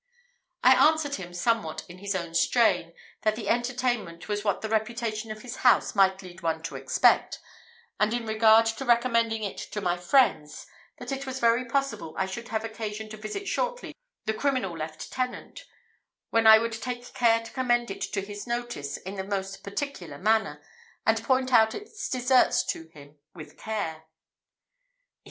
I answered him somewhat in his own strain, that the entertainment was what the reputation of his house might lead one to expect; and in regard to recommending it to my friends, that it was very possible I should have occasion to visit shortly the criminal lieutenant, when I would take care to commend it to his notice in the most particular manner, and point out its deserts to him with care.